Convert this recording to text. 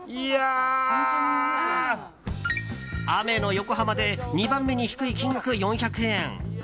雨の横浜で２番目に低い金額、４００円。